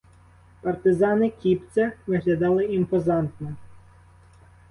Партизани Кібця виглядали імпозантно.